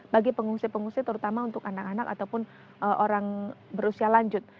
bagi pengungsi pengungsi terutama untuk anak anak ataupun orang berusia lanjut